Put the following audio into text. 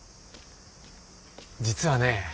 実はね